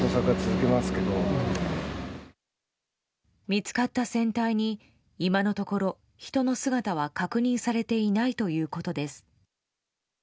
見つかった船体に今のところ人の姿は確認されていないということです。